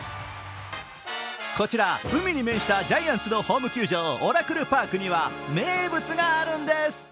こちら、海に面したジャイアンツのホーム球場、オラクル・パークには名物があるんです。